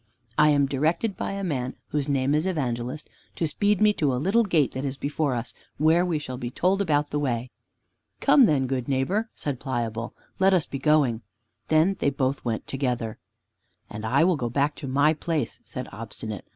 "I am directed by a man, whose name is Evangelist, to speed me to a little gate that is before us, where we shall be told about the way." "Come then, good neighbor," said Pliable, "let us be going." Then they went both together. "And I will go back to my place," said Obstinate.